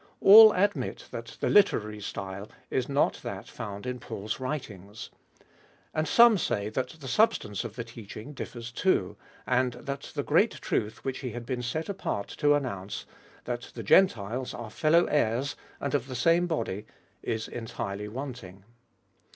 All admit that the literary style is not that found in Paul's writings. And some say that the substance of the teaching differs too, and that the great truth which he had been set apart to announce, that the Gentiles are fellow heirs, and of the same body, is entirely wanting.